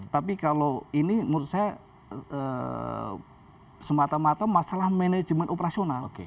tapi kalau ini menurut saya semata mata masalah manajemen operasional